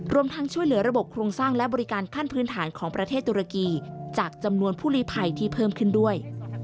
รวมทั้งช่วยเหลือระบบโครงสร้างและบริการขั้นพื้นฐานของประเทศตุรกีจากจำนวนผู้ลีภัยที่เพิ่มขึ้นด้วย